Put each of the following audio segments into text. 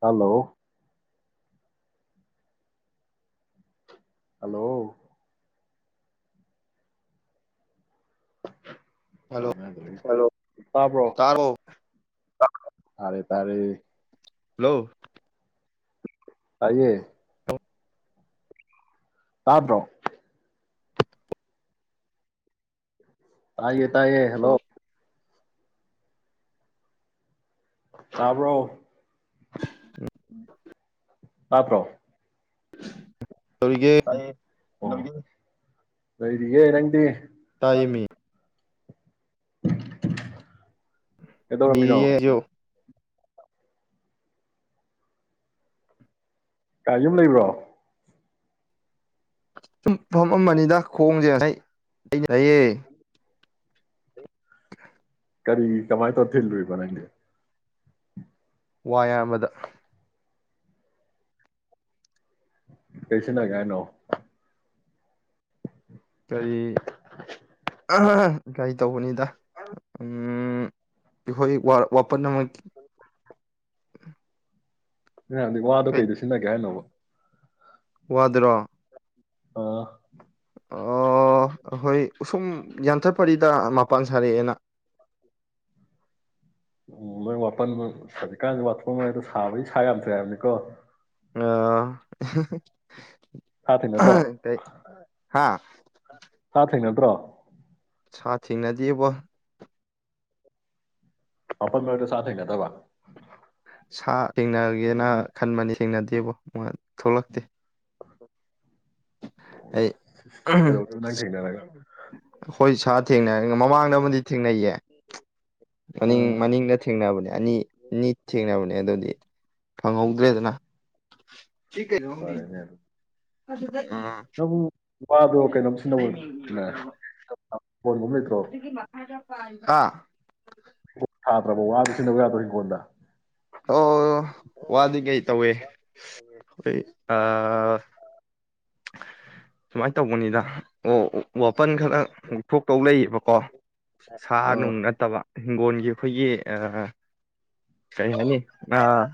hello hello ꯑ hello ꯑꯗꯨ ꯇꯥꯕ꯭ꯔꯣ ꯇꯥꯔꯕꯣ ꯇꯥꯔꯦ ꯇꯥꯔꯦ ꯍꯜꯂꯣ ꯇꯥꯏꯌꯦ ꯇꯥꯗ꯭ꯔꯣ ꯇꯥꯏꯌꯦ ꯇꯥꯏꯌꯦ ꯍꯜꯂꯣ ꯇꯥꯕ꯭ꯔꯣ ꯎ ꯑꯥ ꯄ꯭ꯔꯣ [unintelligible] ꯇꯒꯤ ꯅꯣꯏꯗꯤꯌꯦꯦ ꯅꯪꯗꯤ ꯇꯥꯏꯃꯤ [unintelligible] ꯑꯦꯗꯣ ꯔ ꯃꯤꯅꯣ ꯂꯤꯔꯤꯌꯦ ꯑꯩꯁꯨ ꯀꯥꯏ ꯌꯨꯝ ꯂꯩꯕ꯭ꯔꯣ ꯆꯨꯝꯐꯝ ꯑꯃꯅꯤꯗ ꯈꯣꯡꯁꯦ ꯉ ꯂꯩꯩꯅ ꯍꯥꯏꯌꯦꯦ ꯀ ꯀꯔꯤ ꯀꯃꯥꯏꯅ ꯇꯧꯔ ꯊꯤꯜꯨꯕ ꯅꯪꯦ ꯋꯥꯏ ꯑꯃꯗ ꯀꯩꯁꯅ ꯀꯅꯣ ꯀꯔꯤ ꯒꯥꯔꯤ ꯇꯧꯕꯅꯤꯗ ꯑꯩꯈꯣꯏ ꯋꯥꯄꯠꯅꯃꯛ ꯗꯤ ꯋꯥꯗꯣ ꯀꯩꯗꯣ ꯁꯤꯖꯤꯟꯅꯒꯦ ꯍꯥꯏꯅꯣꯕ ꯋꯥꯗ꯭ꯔ ꯑꯥ ꯑꯩꯈꯣꯏ ꯑꯁꯨꯝ ꯌꯥꯟꯊꯠ ꯄꯔꯤꯗ ꯃꯄꯥꯟ ꯁꯥꯔꯛꯑꯦꯅ ꯎ ꯃꯣꯏ ꯋꯥꯄꯜ ꯍꯧꯖꯤꯛꯀꯥꯟꯒꯤ ꯋꯥꯊꯣꯛꯉꯩꯗꯣ ꯁꯥꯕꯒꯤ ꯁꯥ ꯌꯥꯝꯗ꯭ꯔꯦ ꯍꯥꯏꯕꯅꯤꯀꯣ ꯑ ꯁꯥ ꯊꯦꯡꯅꯗ꯭ꯔꯣ ꯍꯥꯥ ꯁꯥ ꯊꯦꯡ ꯅꯠꯇ꯭ꯔꯣ ꯁꯥ ꯊꯦꯡꯅꯗꯕ ꯄꯄ ꯃꯦ ꯁꯥ ꯊꯅ ꯊꯕꯥ ꯁꯥ ꯊꯦꯡꯅꯒꯦꯅ ꯈꯟꯕꯅꯤ ꯊꯦꯡꯅꯗꯦꯕꯣ ꯊꯣꯛꯂꯛꯇꯦ ꯑꯩ ꯀꯗꯣ ꯅ ꯊꯅꯅ ꯍꯣꯏ ꯁꯥ ꯊꯦꯡꯅ ꯃꯃꯥꯡꯗꯕꯨꯗꯤ ꯊꯦꯡꯅꯩꯌꯦ ꯃꯅꯤꯡ ꯑꯥ ꯃꯅꯤꯡꯅ ꯊꯦꯡꯅꯕꯅꯦ ꯑꯅꯤ ꯑꯅꯤ ꯊꯦꯡꯅꯕ ꯑꯗꯨꯗꯤ ꯐꯪꯍꯧꯗ꯭ꯔꯦꯗꯅ ꯆꯀꯦ ꯊꯅꯤ ꯅꯕꯨ ꯋꯥꯗ ꯀꯩꯅꯩꯅꯁꯤ ꯅ ꯑꯩ ꯃꯤꯡ ꯑꯣꯏ ꯏꯔꯣꯏꯗ꯭ꯔꯕ ꯑꯣ ꯑꯗꯨꯒꯤ ꯃꯈꯥꯗ ꯑꯥ ꯊꯥꯗ꯭ꯔꯕꯥꯎ ꯋꯥꯗ ꯁꯤꯟꯗꯕ ꯌꯥꯗ꯭ꯔꯣ ꯍꯤꯡꯈꯣꯣꯟꯗ ꯑꯣ ꯋꯥꯗꯤ ꯀꯩ ꯇꯧꯏꯦ ꯑꯩꯣꯏ ꯑ ꯅ ꯇꯧꯕꯅꯤꯗ ꯑꯣ ꯑꯣ ꯋꯥꯄꯟ ꯈꯔ ꯉꯛꯊꯣꯛꯇꯧ ꯂꯩꯌꯦꯕꯀꯣ ꯁꯥ ꯑꯥ ꯅꯨꯡ ꯅꯠꯇꯕ ꯍꯤꯡꯒꯣꯜ ꯑꯩꯈꯣꯏꯒꯤ ꯀꯔꯤ ꯍꯥꯏꯅꯤ ꯑꯥ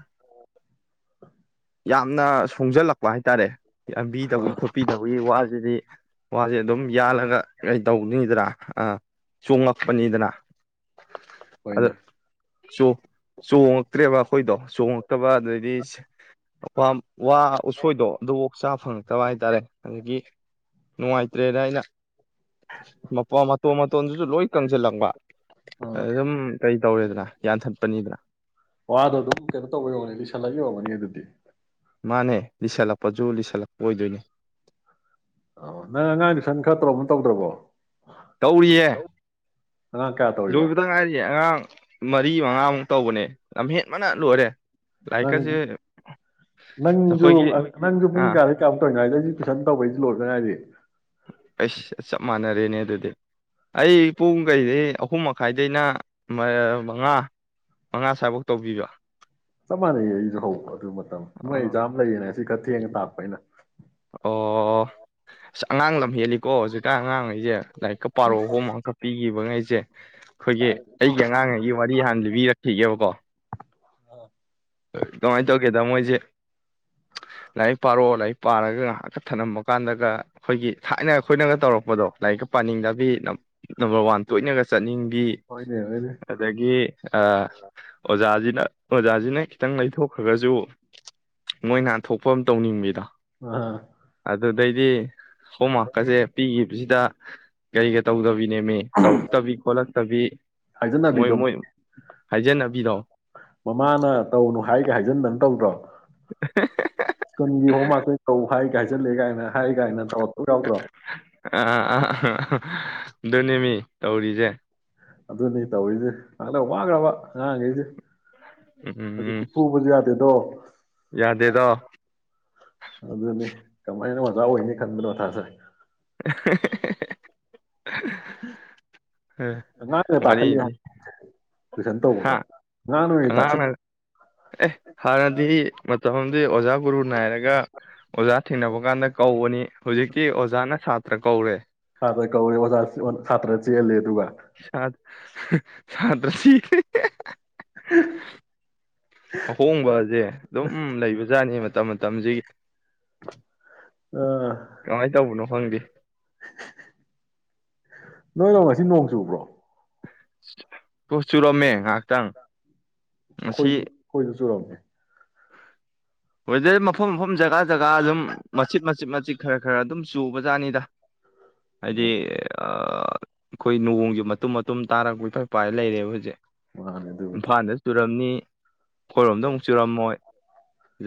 ꯌꯥꯝꯅ ꯁꯣꯡꯖꯜꯂꯛꯄ ꯍꯥꯏꯇꯥꯔꯦ ꯑꯥ ꯌꯥꯝꯝꯕꯤꯗꯕꯒꯤ ꯈꯣꯠꯄꯤꯗꯕꯒꯤ ꯋꯥꯁꯤꯗꯤ ꯋꯥꯁꯦ ꯑꯗꯨꯝ ꯌꯥꯜꯂꯒ ꯀꯩ ꯇꯧꯗꯗ꯭ꯔꯥ ꯑꯥ ꯆꯣꯡꯂꯛꯄꯅꯤꯗꯅ ꯍꯣꯏꯅꯦ ꯆꯣꯡꯉꯛꯇ꯭ꯔꯦꯕ ꯑꯩꯈꯣꯏꯗꯣ ꯆꯣꯡꯉ ꯀꯕꯥꯗ ꯑꯣꯏꯔꯤꯁ ꯋꯥ ꯎꯁꯣꯏꯗꯣ ꯑꯗꯨꯐꯣꯛ ꯆꯥ ꯐꯪꯉꯛꯇꯕ ꯍꯥꯏ ꯍꯥꯏꯇꯥꯔꯦ ꯑꯗꯒꯤ ꯅꯨꯡꯉꯥꯏꯇ꯭ꯔꯦꯅ ꯑꯩꯅ ꯃꯇꯣꯟ ꯃꯇꯣꯟꯗꯨꯁꯨ ꯂꯣꯏ ꯀꯪꯁꯤꯜꯂꯪꯕ ꯑꯥ ꯑꯗꯨꯝ ꯀꯩ ꯇꯧꯔꯦꯗꯅ ꯌꯥꯟꯊꯠꯄꯅꯤꯗꯅ ꯋꯥꯗꯣ ꯑꯗꯨꯝ ꯀꯩꯅꯣ ꯇꯧꯕ ꯌꯣꯒꯅꯤ ꯂꯤꯁꯜꯂꯒ ꯌꯧꯒꯅꯤ ꯑꯗꯨꯗꯤ ꯃꯥꯅꯦ ꯂꯤꯁꯜꯂꯛꯄꯁꯨ ꯂꯤꯁꯜꯂꯛꯄ ꯑꯣꯏꯗꯣꯏꯅꯦ ꯑ ꯅꯪ ꯑꯉꯥꯡꯗꯨ ꯁꯟ ꯈꯔ ꯇꯧꯔꯣꯅ ꯇꯧꯗ꯭ꯔꯕꯣ ꯀꯧꯔꯤꯌꯦ ꯑꯉꯥꯡ ꯀꯌꯥ ꯇꯧꯔꯤꯕ ꯂꯣꯏꯕꯗ ꯉꯥꯏꯔꯤꯌꯦ ꯑꯉꯥꯡ ꯃꯔꯤ ꯃꯉꯥꯃꯨꯛ ꯇꯧꯕꯅꯦ ꯂꯝꯍꯦꯠ ꯃꯅ ꯂꯣꯏꯔꯦ ꯪ ꯂꯥꯏꯔꯤꯛꯀꯁꯦ ꯅꯟꯖꯨ ꯑꯩꯈꯣꯏꯒꯤ ꯅꯟꯖꯨ ꯑꯥ ꯄꯨꯡꯒ ꯑ ꯀꯞꯇꯣꯗꯖꯤ ꯨꯁꯟ ꯇꯧꯕꯩꯁꯤ ꯂꯣꯏꯔꯗꯉꯥꯏꯗꯤ ꯑꯩꯁ ꯆꯞ ꯃꯥꯟꯅꯔꯦꯅꯦ ꯑꯗꯨꯗꯤ ꯑꯩ ꯄꯨꯡ ꯀꯩꯗꯩ ꯑꯍꯨꯝ ꯃꯈꯥꯏꯗꯩꯅ ꯃꯉꯥ ꯃꯉꯥ ꯁ꯭ꯋꯥꯕꯛ ꯇꯧꯕꯤꯕ ꯆꯞ ꯃꯥꯟꯅꯩ ꯑꯩꯁꯨ ꯍꯧꯈ꯭ꯔꯦ ꯑꯗꯨ ꯃꯇꯝ ꯑ- ꯃꯣꯏꯖꯥ ꯂꯩꯔꯤꯅꯦ ꯁꯤ ꯈ ꯊꯦꯡꯅ ꯇꯥꯛꯄ ꯑꯩꯅ ꯑꯣ ꯑꯁ ꯑꯉꯥꯡ ꯂꯝ ꯍꯦꯜꯂꯤꯀꯣ ꯍꯧꯖꯤꯛ ꯑꯉꯥꯡꯈꯩꯁꯦ ꯂꯥꯏꯔꯤꯛꯀ ꯄꯥꯔꯛꯑꯣ ꯏꯁ ꯍꯣꯝ ꯑꯃꯛ ꯄꯤꯈꯤꯕ ꯉꯩꯁꯦ ꯆꯖꯦ ꯑꯩꯈꯣꯏꯒꯤ ꯀꯥꯏꯗꯩꯅꯣ ꯑꯩꯒꯤ ꯑꯉꯥꯡꯉꯩꯒꯤ ꯋꯥꯔꯤ ꯍꯥꯟꯅ ꯂꯤꯕꯤꯔꯛꯈꯤꯒꯦꯕꯀꯣ ꯀꯃꯥꯏꯅ ꯇꯧꯒꯦꯗ ꯃꯣꯏꯁꯦ ꯂꯥꯏꯔꯤꯛ ꯄꯥꯔꯛꯑꯣ ꯂꯥꯏꯔꯤꯛ ꯄꯥꯔꯒ ꯉꯥꯏꯍꯥꯛꯀ ꯊꯝꯂꯝꯃ ꯀꯥꯟꯗꯒ ꯑꯩꯈꯣꯏꯒꯤ ꯊꯥꯏꯅ ꯑꯩꯈꯣꯏꯅꯒ ꯇꯧꯔꯛꯄꯗꯣ ꯂꯥꯏꯔꯤꯛꯀ ꯄꯥꯅꯤꯡꯗꯕꯤ ꯅꯝꯕꯔ ꯋꯥꯟ ꯇꯣꯏꯅꯒ ꯆꯠꯅꯤꯡ ꯍꯣꯏꯅꯦ ꯍꯣꯏꯅꯦ ꯑꯗꯒꯤ ꯑꯣꯖꯥꯁꯤ ꯅ ꯂꯩꯊꯣꯛꯈ꯭ꯔꯒꯁꯨ ꯅꯣꯏ ꯥꯟꯊꯣꯛꯐꯝ ꯑꯃ ꯇꯧꯅꯤꯡꯕꯗ ꯑ ꯑꯗꯩꯗꯤ ꯍꯣꯝꯋꯔꯥꯛꯀꯁꯦ ꯄꯤꯈꯤꯕꯁꯤꯗ ꯀꯩꯒ ꯇꯧꯗꯕꯤ ꯅꯦꯝꯃꯦ ꯇꯧꯔꯛꯇꯕꯤ ꯈꯣꯠꯂꯛꯇꯕꯤ ꯃꯣꯏ ꯃꯣꯏ ꯍꯥꯏꯖꯟꯅꯕꯤꯗꯣ ꯃꯃꯥꯅ ꯇꯧꯅꯨ ꯍꯥꯏꯒ ꯍꯥꯏꯖꯤꯟꯗꯅ ꯇꯧꯗ꯭ꯔꯣ ꯁꯖꯤꯍꯣ ꯃꯥꯁꯨ ꯀꯧ ꯍꯥꯏꯥꯏ ꯀꯥꯏꯁꯤꯠꯂꯦ ꯀꯥꯏꯅ ꯍꯥꯏ ꯀꯥꯏ ꯇꯧ ꯔꯣ꯭ꯔꯣ ꯑꯥ ꯑꯥ ꯑꯗꯨꯅꯦꯃꯤ ꯇꯧꯔꯤꯁꯦ ꯑꯗꯨꯅꯤ ꯇꯧꯔꯤꯁꯦ ꯍꯗꯛ ꯋꯥꯈ꯭ꯔꯕ ꯉꯉꯥꯡꯈꯩꯁꯦ ꯑ ꯎꯝ ꯐꯨꯕꯖ ꯌꯥ ꯗꯣ ꯌꯥꯗꯦꯗꯣ ꯑꯗꯨꯅꯤ ꯀꯃꯥꯏꯅ ꯑꯣꯖꯥ ꯑꯣꯏꯅꯤ ꯈꯟꯕꯅꯣ ꯇꯥꯖꯔꯦ [unintelligible] [unintelligible] ꯎꯝ ꯑꯦ ꯋꯥꯔꯤꯗꯤ ꯇꯨꯏꯁꯟ ꯍꯥ ꯇꯧꯕꯗ ꯑꯣꯏꯅ ꯑꯉꯥꯡꯅ ꯇꯥꯛꯁꯜꯂꯦ ꯑꯦ ꯍꯥꯟꯅꯗꯤ ꯃꯇꯝꯗꯤ ꯑꯣꯖꯥ ꯒꯨꯔꯨ ꯅꯥꯏꯔꯒ ꯑꯣꯖꯥ ꯊꯦꯡꯅꯕ ꯀꯥꯟꯗ ꯀꯧꯕꯅꯤ ꯍꯧꯖꯤꯛꯇꯤ ꯑꯣꯖꯥꯅ ꯁꯥꯇ ꯄ꯭ꯔ ꯀꯧꯋꯦ ꯀꯧ ꯍ ꯐꯠꯇꯔ ꯆꯦꯦꯜꯂꯦ ꯇꯧꯒ ꯁꯥꯗ ꯁꯥꯗ꯭ꯔꯁꯤꯈ ꯑꯍꯣꯡꯕꯁꯦ ꯑꯗꯨꯝ ꯂꯩꯕꯖꯥꯠꯅꯤ ꯃꯇꯝ ꯃꯇꯝꯁꯤ ꯀꯃꯥꯏꯅ ꯇꯧꯕꯅꯣ ꯍꯪꯗꯦ ꯅꯣꯏ ꯅ ꯉꯁꯤ ꯅꯣꯡ ꯆꯨꯕ꯭ꯔꯣ [unintelligible] ꯄꯣ ꯆꯂꯣꯃꯦꯦ ꯉꯥꯛꯇꯪ ꯑꯩꯈꯣꯏ ꯑꯩꯈꯣꯏꯗ ꯆꯨꯔꯝꯃꯦ ꯍꯣꯏꯗꯗꯤ ꯃꯐꯝ ꯃꯐꯝ ꯖꯒꯥ ꯖꯒꯥ ꯑꯗꯨꯝ ꯃꯆꯤꯠ ꯃꯆꯤꯠ ꯃꯆꯤꯠ ꯈꯔ ꯈꯔ ꯑꯗꯨꯝ ꯆꯨꯕ ꯖꯥꯠꯅꯤꯗ ꯍꯥꯏꯗꯤ ꯑ ꯑꯩꯈꯣꯏ ꯅꯣꯡꯁꯦ ꯃꯇꯨꯝ ꯃꯇꯨꯝ ꯇꯥꯔꯛꯄꯩ ꯊ ꯎꯄꯥꯏ ꯂꯩꯔꯦꯕ ꯍꯧꯖꯤꯛ ꯃꯥꯅꯦ ꯑꯗꯨꯕꯨꯗꯤ ꯏꯝꯐꯥꯜꯗ ꯆꯨꯔꯝꯅꯤ ꯑꯩꯈꯣꯏꯔꯣꯝꯗ ꯑꯃꯨꯛ ꯆꯨꯔꯝꯃꯣꯏ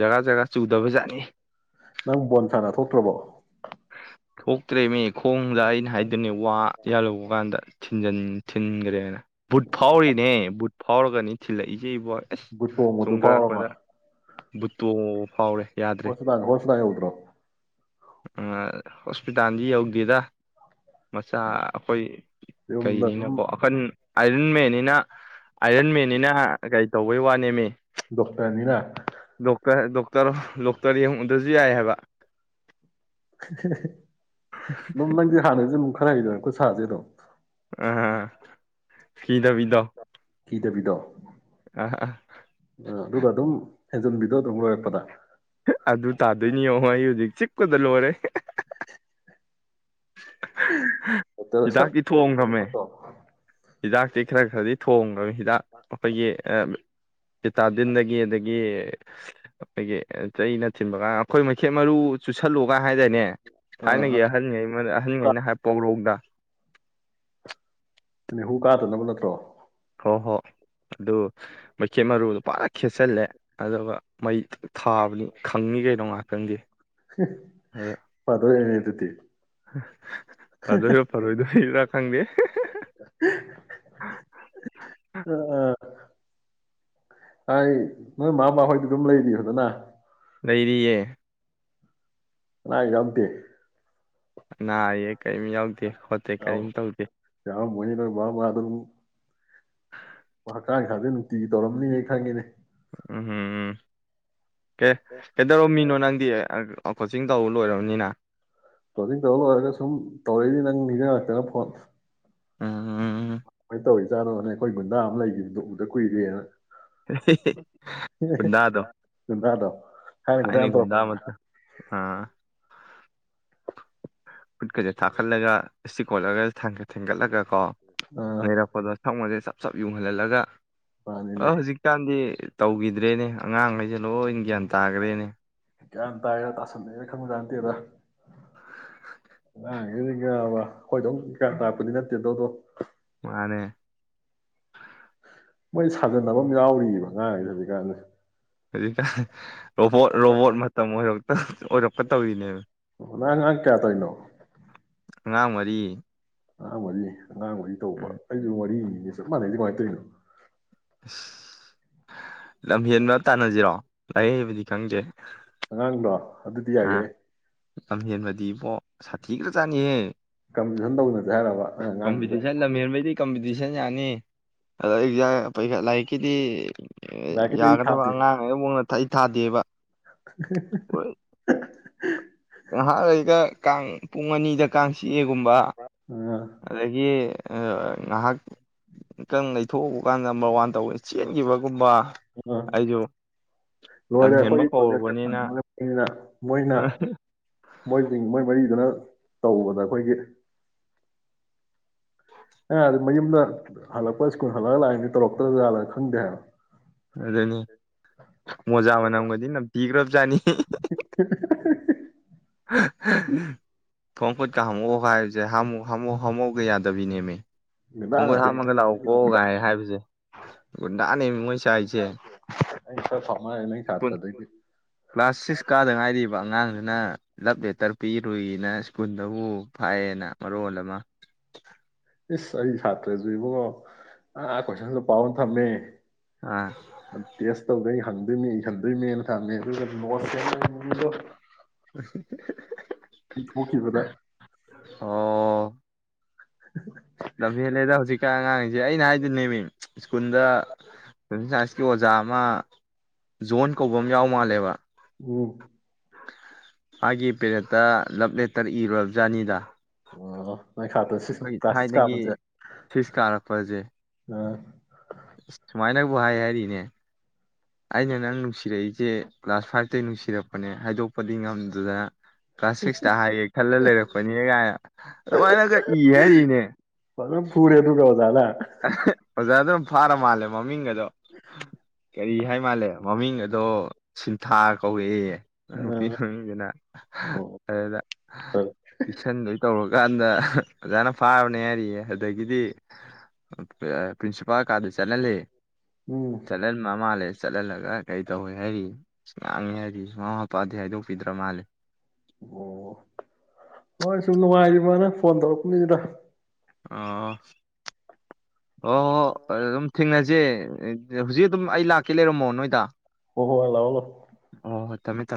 ꯖꯒꯥ ꯖꯒꯥ ꯆꯨꯗꯕꯖꯥꯠꯅꯤ ꯄ꯭ꯔꯕꯣ ꯊꯣꯛꯣꯛꯀ꯭ꯔꯦ ꯃꯤ ꯈꯣꯡꯗ ꯑꯩꯅ ꯍꯥꯏꯗꯣꯏꯅꯤ ꯋꯥ ꯌꯥꯜꯍꯨꯧꯕ ꯀꯥꯟꯗ ꯊꯤꯟꯟ ꯊꯤꯟꯈ꯭ꯔꯦꯅ ꯕꯨꯠ ꯐꯥꯎꯔꯤꯅꯦ ꯕꯨꯠ ꯐꯥꯎꯔꯒꯅꯤ ꯊꯤꯜꯂꯛꯏꯁꯦ ꯏꯕꯣ ꯑꯁ ꯕꯨꯇꯣ ꯃꯗꯨ ꯄꯥꯎ ꯑꯃ ꯕꯨꯠꯇꯣꯡꯉꯕ ꯐꯥꯎꯔꯦ ꯌꯥꯗ꯭ꯔꯦ ꯍꯁ ꯊꯥꯡ ꯍꯣꯁ ꯔꯣ ꯍꯣꯁꯄꯤꯇꯥꯜꯗꯤ ꯌꯧꯗ꯭ꯦꯔꯤꯗ ꯃꯆꯥ ꯑꯩꯈꯣꯏ ꯌꯨꯝꯗ ꯑꯗꯨꯝ ꯀꯩꯅꯤꯅꯀꯣ ꯑꯈꯟ ꯑꯔ ꯃꯅꯤꯅ ꯑꯥꯏꯔꯟ ꯃꯦꯅꯤꯅ ꯍꯥ ꯀꯩ ꯇꯧꯕꯩ ꯋꯥꯅꯦꯃꯤ ꯗꯣꯛꯇꯔꯥꯅꯤꯅꯥ ꯗꯣꯛꯇꯔ ꯗꯣꯛꯇꯔ ꯗꯣꯛꯇꯔ ꯌꯦꯡꯉꯨꯗ꯭ꯔꯁꯨ ꯌꯥꯏ ꯍꯥꯏꯕ ꯅꯝ ꯅꯪꯗꯤ ꯍꯅꯁꯨꯦ ꯨꯈ ꯍꯥꯏꯗ ꯁꯥꯖꯔꯣ ꯑ ꯀꯤꯗ ꯄꯤꯗ ꯀꯤꯗꯕꯤꯗꯣ ꯑ ꯑꯗꯨꯒ ꯑꯗꯨꯝ ꯍꯦꯟꯖꯝꯕꯤꯗꯣ ꯑꯗꯨꯝ ꯂꯣꯏꯔꯛꯄꯗ ꯑꯗꯨ ꯇꯥꯗꯣꯏꯅꯤ ꯌꯦꯡꯉꯣ ꯑꯩ ꯍꯧꯖꯤꯛ ꯆꯤꯛꯄꯗ ꯂꯣꯏꯔꯦ ꯑ ꯁꯠꯇ ꯍꯤꯗꯥꯛꯁꯤ ꯈꯔ ꯈꯔꯗꯤ ꯊꯣꯡꯉ ꯍꯤꯗꯥꯛ ꯑꯩꯄꯣꯏꯒꯤ ꯇꯤꯇꯥꯗꯤꯟꯗꯒꯤ ꯑꯗꯒꯤ ꯑꯩꯈꯣꯏꯒꯤ ꯆꯩꯅꯆꯤꯡꯕꯒ ꯑꯩꯈꯣꯏ ꯃꯩꯦꯠ ꯃꯔꯨ ꯆ ꯁꯜꯂꯨꯒ ꯍꯥꯏꯇꯥꯏꯅꯦ ꯊꯥꯏꯅꯒꯤ ꯑꯥ ꯑꯍꯟꯩ ꯑꯍꯟꯉꯩꯅ ꯍꯥꯏ ꯄꯧꯔꯧꯗ [unintelligible] ꯑ ꯍꯨ ꯀꯥꯗꯅꯕ ꯅꯠꯇ꯭ꯔꯣ ꯍꯣꯏ ꯍꯣꯏ ꯑꯗꯨ ꯃꯩꯈꯦꯠ ꯃꯔꯨꯗꯣ ꯄꯨꯔ ꯈꯦꯠꯆꯜꯂꯦ ꯑꯗꯨꯒ ꯃꯩ ꯊꯥꯕꯅꯤ ꯈꯪꯅꯤ ꯀꯩꯅꯣ ꯉꯥꯏꯍꯥꯛꯇꯪꯗꯤ ꯐꯗꯣꯏꯅꯦ ꯑꯗꯨꯗꯤ ꯐꯗꯣꯏꯔ ꯐꯔꯣꯏꯗꯣꯏꯕ꯭ꯔꯥ ꯈꯪꯗꯦ ꯑ ꯑ ꯑꯩ ꯅꯣꯏ ꯃꯥꯃ ꯃꯥꯍꯣꯏꯗꯤ ꯑꯗꯨꯝ ꯂꯩꯔꯤ ꯍꯗꯅ ꯂꯩꯔꯤꯌꯦ ꯑ ꯀꯝꯇꯤ ꯌꯦ ꯀꯩ ꯃꯤ ꯌꯥꯎꯗꯤ ꯈꯣꯠꯇꯦ ꯀꯔꯤꯝ ꯇꯧꯗꯦ ꯃꯗ ꯃꯥꯕꯥ ꯃꯍꯥꯗꯨꯔ ꯍ ꯍꯛꯆꯥꯡ ꯁꯥꯗ ꯅꯨꯡꯇꯤꯒꯤ ꯇꯧꯔꯝꯅꯤꯅꯦ ꯑꯩ ꯈꯪꯉꯤꯅꯦ ꯎꯝ ꯎꯝ ꯎꯝ ꯀꯦ ꯀꯩꯗꯧꯔꯣ ꯃꯤꯅꯣ ꯅꯪꯗꯤ ꯀꯣꯆꯤꯡ ꯇꯧ ꯂꯣꯏꯔꯕꯅꯤꯅ ꯇꯣꯗꯤꯤꯡ ꯇꯧꯧꯕ ꯂꯣꯏꯔꯒ ꯁꯨꯝ ꯇꯧꯔꯛꯏꯗꯤ ꯅꯪ ꯅꯤꯡꯅꯤꯖ ꯂꯥꯛꯛꯇꯅ ꯐꯣꯟ ꯎꯝ ꯃꯅ ꯇꯧꯔꯤ ꯆꯥꯗꯣꯅꯦ ꯑꯩꯈꯣꯏ ꯒꯨꯟꯗꯥ ꯑꯃ ꯂꯩꯈꯤꯕꯗꯨ ꯎꯗ ꯀꯨꯏꯔꯦꯅ ꯨꯗꯥꯗ ꯒꯨꯟꯗꯥꯗꯣ ꯊꯥꯏꯅ ꯒꯨꯟꯗꯥ ꯊꯥꯏꯅꯤ ꯌꯥꯝ ꯒꯨꯗꯥꯥ ꯇꯧꯔꯛꯄꯅꯤꯅ ꯃ ꯑꯥ ꯐꯨꯠꯀꯦ ꯊꯥꯀꯔ ꯂꯩꯦꯒ ꯀꯣꯂꯒ ꯊꯦꯡꯒꯠꯂꯒ ꯀꯣ ꯑꯥ ꯂꯩꯔꯛꯄꯗꯣ ꯁꯪꯉꯁꯦ ꯆꯠ ꯆꯞ ꯌꯨꯡꯍꯜꯍꯜꯂꯒ ꯃꯥꯅꯤꯅꯦ ꯑ ꯍꯧꯖꯤꯛꯀꯥꯟꯗꯤ ꯇꯧꯈꯤꯗ꯭ꯔꯦꯅꯦ ꯑꯉꯥꯡꯉꯩꯦ ꯂꯣꯏꯅ ꯭ꯌꯥꯟ ꯇ ꯇꯥꯒꯔꯦꯅꯦ ꯀꯒꯌꯥ ꯇꯥꯏꯔꯥ ꯇꯥꯁꯟꯂꯦꯅ ꯈꯟꯕꯗ ꯅꯠꯇꯦꯗ ꯑꯕ ꯍꯣꯏꯗꯧ ꯀꯌꯥ ꯇꯥꯔꯛꯄꯗꯤ ꯅꯠꯇꯦꯗꯗꯣ ꯃꯥꯅꯦ ꯃꯣꯏ ꯁꯥꯖꯟꯅꯕ ꯑꯃ ꯌꯥꯎꯔꯤꯑꯕ ꯉꯥꯡꯁꯦ ꯍꯧꯖꯤꯛꯀꯥꯟꯁꯦ ꯍꯧꯔꯤ ꯀ ꯔꯣꯕꯣꯠ ꯔꯣꯕꯣꯠ ꯃꯇꯝ ꯑꯣꯏ ꯑꯣꯏꯔꯛꯀ ꯇꯧꯔꯤꯅꯦꯕ ꯅꯪ ꯑꯉꯥꯡ ꯀꯌꯥ ꯇꯧꯔꯤꯅꯣ ꯑꯉꯥꯡ ꯃꯔꯤ ꯑ ꯃꯅꯤꯅꯤ ꯑ ꯉꯥꯡꯕꯒꯤ ꯇꯧꯕ ꯎꯝ ꯑꯩꯗꯨ ꯋꯥꯔꯤꯅꯤ ꯃꯅꯦꯗꯤꯉꯇꯩꯣ [unintelligible] ꯂꯝꯍꯦꯟꯕ ꯇꯥꯟꯅꯁꯤꯔꯣ ꯂꯥꯏꯔꯤꯛ ꯍꯩꯕꯗꯤ ꯈꯪꯗꯦ ꯍꯉꯥꯡꯗꯣ ꯑ ꯀꯕꯗꯤ ꯑꯕꯣ ꯁꯥ ꯊꯤꯒ꯭ꯔꯥꯖꯥꯅꯤ ꯀꯝꯄꯤꯇꯁꯟ ꯇꯧꯅꯁ ꯍꯥꯏꯔꯕ ꯑꯉꯥꯡꯗꯨꯗ ꯇꯗꯤꯁꯟ ꯌꯥꯅꯤ ꯑꯗꯣ ꯑꯦꯛꯖꯥꯈꯠ ꯂꯥꯏꯔꯤꯛꯀꯤꯗꯤ ꯑꯦ ꯂꯥꯏꯔꯤꯛꯀꯤꯗꯤ ꯑꯩ ꯌꯥꯒ꯭ꯔꯗ ꯋꯥ ꯊꯥꯗꯦ ꯉꯥꯡꯉꯉ ꯊ ꯑꯩ ꯊꯥꯗꯦꯕ [unintelligible] ꯍ ꯉꯩꯍꯥꯛ ꯂꯩꯇꯥ ꯑꯩ ꯀꯥꯡ ꯄꯨꯡ ꯑꯅꯤꯗ ꯀꯥꯡ ꯆꯑꯕ ꯀꯨꯝꯕ ꯑꯥ ꯑꯗꯒꯤ ꯉꯥꯏꯍꯥꯛ ꯇꯪ ꯂꯩꯊꯣꯛꯎꯕ ꯀꯥꯟꯗ ꯅꯝꯕꯔ ꯋꯥꯟ ꯇꯧꯋꯦ ꯆꯦꯟꯈꯤꯕ ꯀꯨꯝꯕ ꯑꯥ ꯑꯩꯁꯨ ꯂꯣꯏꯔꯦ ꯇꯝꯍꯦꯟꯕ ꯑꯩꯈꯣꯏ ꯇꯣꯏꯂꯦꯠꯀ ꯀꯔꯨꯕꯅꯤꯅ ꯊꯟꯕꯅꯤꯅ ꯃꯣꯏꯅ ꯃꯣꯏꯁꯤꯡ ꯃꯣꯏ ꯃꯔꯤꯗꯨꯅ ꯇꯧꯕꯗ ꯑꯩꯈꯣꯏꯒꯤ ꯑ ꯃꯌꯨꯝꯗ ꯍꯜꯂꯛꯄ ꯁ꯭ꯀꯨꯜ ꯍꯜꯂꯛꯂꯒ ꯂꯥꯛꯏꯗꯤ ꯇꯧꯔꯛꯇꯕꯖꯥꯜꯂꯒ ꯈꯪꯗꯦ ꯍꯥꯏꯕ ꯑꯗꯨꯅꯤ ꯃꯣꯖꯥ ꯃꯅꯝꯒꯗꯤ ꯅꯝ ꯄꯤꯈ꯭ꯔꯕꯖꯥꯠꯅꯤ ꯊꯣꯡ ꯀꯠ ꯀ ꯍꯝꯃꯛ ꯈꯥꯏꯁꯦ ꯍꯨ ꯍꯃ ꯍꯧꯒꯦ ꯌꯥꯗꯕꯤ ꯏꯅꯦ ꯃ ꯈꯣꯡꯒꯨꯠ ꯍꯥꯝꯃꯒ ꯂꯥꯛꯑꯣ ꯀꯣꯛꯎꯒꯥꯏ ꯍꯥꯏꯕꯁꯦ ꯒꯨꯟꯗꯥꯅꯦ ꯃꯤꯉꯣꯏ ꯆꯥꯏꯁꯦ ꯀ꯭ꯂꯥꯁ ꯁꯤꯛꯁ ꯀꯥꯗꯪ ꯍꯥꯏꯔꯤꯕ ꯑꯉꯥꯡꯗꯨꯅ ꯂꯞ ꯂꯦꯇꯔ ꯄꯤꯔꯨꯏꯅ ꯏꯁꯄꯨꯟꯗꯕꯨ ꯐꯥꯏꯌꯦꯅ ꯃꯔꯣ ꯑꯃ ꯏꯁ ꯑꯩ ꯁꯥꯇ꯭ꯔꯁꯨ ꯏꯕꯨꯡꯉꯣ ꯑ ꯀꯣꯏꯁꯟ ꯄꯥꯎ ꯊꯝꯃꯦ ꯑꯥ ꯑ ꯇꯦꯁ ꯇꯧꯕꯩ ꯍꯪꯗꯣꯏꯅꯦ ꯏ ꯍꯟꯗꯣꯏꯅꯦꯅ ꯊꯝꯃꯦ ꯑꯗꯨꯒ ꯅꫭꯁ ꯁꯦꯝ ꯂꯩꯔꯝꯃꯤꯅꯤꯅꯦ ꯍꯤ ꯍꯤ ꯍꯦ ꯍꯦ ꯍꯦ ꯄꯤꯊꫭꯛꯈꯤꯕꯗ ꯑꯣ ꯂꯝꯍꯦꯜꯂꯦꯗ ꯍꯧꯖꯤꯛꯀꯥꯟ ꯑꯉꯥꯡꯁꯦ ꯑꯩꯅ ꯍꯥꯏꯁꯤꯅꯦꯃꯤ ꯁ꯭ꯀꯨꯜꯗ ꯁꫭꯁꯦꯜ ꯁꯥꯏꯟꯁꯀꯤ ꯑꯣꯖꯥ ꯃꯥ ꯖꯣꯟ ꯀꯧꯕ ꯑꯝ ꯌꯥꯎ ꯃꯥꯜꯂꯦꯕ ꯎꯝ ꯃꯥꯒꯤ ꯄꯦꯔꯠꯇ ꯂꯞ ꯂꯦꯇꯔ ꯏꯔꯨꯔ ꯖꯥꯅꯤꯗ ꯑꯣ ꯃꯥꯏ ꯁꯥꯇ꯭ꯔ ꯁꯤꯛꯁ ꯀ꯭ꯂꯥꯁ ꯁꯤꯛꯁ ꯀꯥꯕꯁꯦ ꯁꯤꯛꯁ ꯀꯥꯔꯛꯄꯁꯦ ꯑꯥ ꯕꯨ ꯍꯥꯏ ꯍꯥꯏꯔꯤꯅꯦ ꯑꯩꯅ ꯅꯪ ꯅꯨꯡꯁꯤꯔꯛꯏꯖꯦ ꯀ꯭ꯂꯥꯁ ꯐꯥꯏꯚꯇꯩ ꯅꯨꯡꯁꯤꯔꯛꯄꯅꯦ ꯍꯥꯏꯗꯣꯛꯄꯗꯤ ꯉꯝꯗꯗꯅ ꯀ꯭ꯂꯥꯁ ꯁꯤꯛꯁꯇ ꯍꯥꯏꯒꯦ ꯈꯜꯂ ꯂꯩꯔꯛꯄꯅꯦ ꯀꯥꯏꯅ ꯑꯗꯨꯃꯥꯏꯅꯒ ꯏ ꯍꯥꯏꯔꯤꯅꯦ ꯑꯣꯖꯥ ꯗꯨꯅ ꯐꯥꯔ ꯃꯥꯜꯂꯦ ꯃꯃꯤꯡꯒ ꯗꫭ ꯀꯔꯤ ꯍꯥꯏ ꯃꯥꯜꯂꯦ ꯃꯃꯤꯡ ꯒꯗꯣ ꯁꯤꯟꯊꯥ ꯀꯧꯋꯦꯌꯦ ꯅꯨꯄꯤ ꯃꯃꯤꯡꯁꯤꯅ ꯑꯗꯨꯗ ꯄꯤꯁꯟꯗꫭꯏ ꯇꯧꯔ ꯀꯥꯟꯗ ꯍ ꯑꫭꯖꯥꯅ ꯐꯥꯕꯅꯦ ꯍꯥꯏꯔꯤꯌꯦ ꯑꯗꯒꯤꯗꯤ ꯄ꯭ꯔ ꯄ꯭ꯔꯤꯟꯁꯤꯄꯥꯜ ꯀꯥꯗ ꯆꯠ ꯍꯜꯂꯦ ꯆꯂꯟꯕ ꯃꯥꯥꯂꯦ ꯆꯠꯍꯜꯂꯒ ꯀꯩ ꯇꯧꯋꯦ ꯍꯥꯏꯔꯤ ꯁ ꯉꯥꯡꯉꯦ ꯍꯥꯏꯔꯤ ꯁꯃꯥ ꯃꯄꯥꯗꯤ ꯍꯥꯏꯗꯣꯛꯄꯤꯗ꯭ꯔ ꯃꯥꯜꯂꯦ ꯑꯣ ꯍꯣꯏ ꯁꯨꯝ ꯅꯨꯡꯉꯥꯏꯔꯤ ꯕꫭꯅꯦ ꯐꯣꯟ ꯇꯧꯔꯛꯄꯅꯤꯗ ꯑꯥ ꯑꯣ ꯍꫭ ꯑꯗꯨꯝ ꯊꯦꯡꯅꯖꯦ ꯍꯧꯖꯤꯛ ꯑꯗꯨꯝ ꯑꯩ ꯂꯥꯛꯀꯦ ꯂꯩꯔꯝꯃꯣ ꯅꯣꯏꯗ ꯑꯣ ꯍꯣꯏ ꯇꯃꯦ ꯇ